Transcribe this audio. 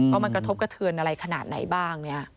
ว่ามันกระทบกระเทือนอะไรขนาดไหนบ้าง